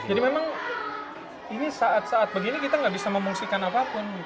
jadi memang ini saat saat begini kita gak bisa memungsikan apapun